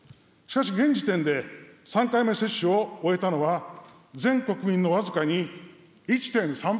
しかし現時点で、３回目接種を終えたのは、全国民の僅かに１．３％。